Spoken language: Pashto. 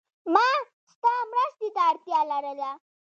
ما ستا مرستی ته اړتیا لرله.